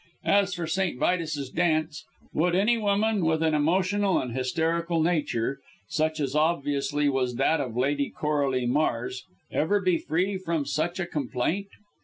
As for St. Vitus's Dance, would any woman, with an emotional and hysterical nature, such as obviously was that of Lady Coralie Mars, ever be free from such a complaint?"